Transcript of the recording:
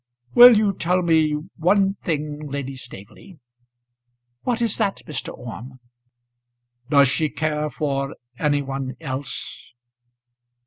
"Will you tell me one thing, Lady Staveley?" "What is that, Mr. Orme?" "Does she care for any one else?"